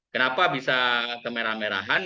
kenapa bisa kemerah merahan